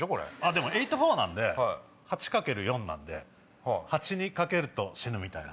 でも８×４なんで８掛ける４なんで蜂にかけると死ぬみたいな。